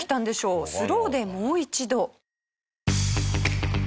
スローでもう一度。